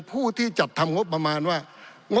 ปี๑เกณฑ์ทหารแสน๒